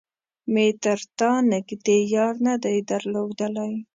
مې تر تا نږدې يار نه دی درلودلی.